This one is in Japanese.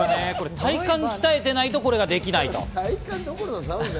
体幹を鍛えていないとこれができないと。